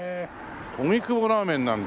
「荻窪ラーメン」なんだ。